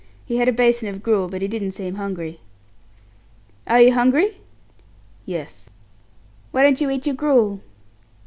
He had a basin of gruel, but he didn't seem hungry." "Are you hungry?" "Yes." "Why don't you eat your gruel?"